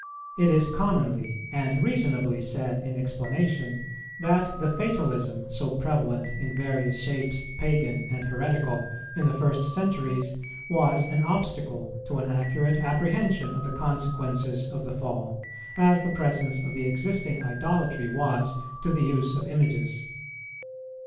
It is commonly, and reasonably, said in explanation, that the fatalism, so prevalent in various shapes pagan and heretical, in the first centuries, was an obstacle to an accurate apprehension of the consequences of the fall, as the presence of the existing idolatry was to the use of images.